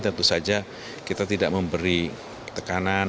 tentu saja kita tidak memberi tekanan